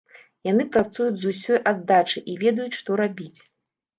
Яны працуюць з усёй аддачай і ведаюць, што рабіць.